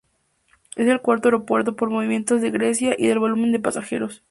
Es el cuarto aeropuerto por movimientos de Grecia y del volumen de pasajeros.